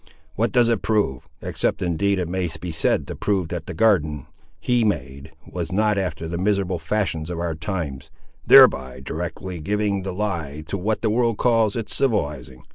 What does it prove, except indeed it may be said to prove that the garden He made was not after the miserable fashions of our times, thereby directly giving the lie to what the world calls its civilising?